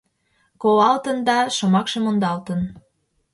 — Колалтын да... шомакше мондалтын.